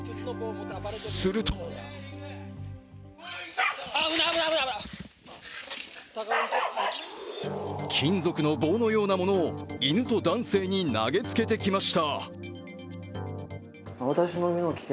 すると金属の棒のようなものを犬と男性に投げつけてきました。